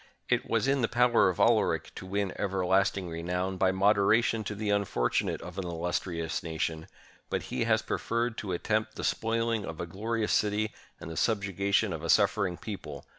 It was in the power of Alaric to win everlasting renown by moderation to the unfor tunate of an illustrious nation ; but he has preferred to attempt the spoiling of a glorious city and the subju gation of a suffering people!